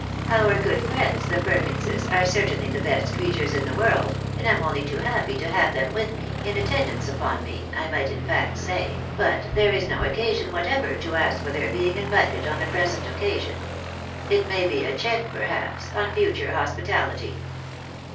Our good friends, the Perkinses, are certainly the best creatures in the world, and I am only too happy to have them with, me — in attendance upon me, I might in fact say — ^but there is no occasion whatever to ask for their being invited on the present occasion. It may be a check, perhaps, on future hospitality."